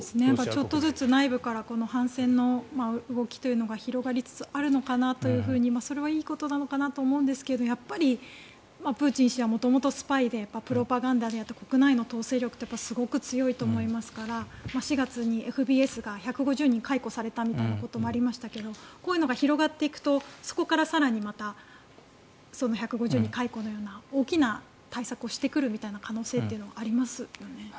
ちょっとずつ内部から反戦の動きというのが広がりつつあるのかなというふうにそれはいいことなのかなと思うんですがやっぱりプーチン氏は元々スパイでプロパガンダであったり国内の統制力ってすごく強いと思いますから４月にＦＢＳが１５０人解雇されたということがありましたがこういうのが広がっていくとそこから更に１５０人解雇のような大きな対策をしてくる可能性はありますよね？